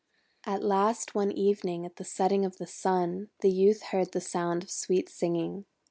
At last one evening, at the setting of the Sun, the Youth heard the sound of sweet singing.